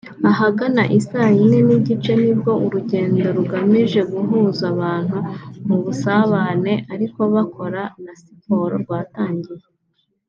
Ahagana i saa yine n’igice nibwo urugendo rugamije guhuza abantu mu busabane ariko bakora na siporo rwatangiye